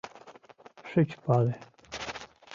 Шыч пале...